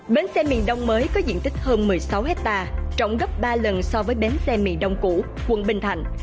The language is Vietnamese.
bến xe miền đông mới có diện tích hơn một mươi sáu hectare trọng gấp ba lần so với bến xe miền đông cũ quận bình thạnh